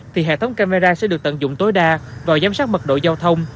thì hệ thống camera sẽ được tận dụng tối đa vào giám sát mật độ giao thông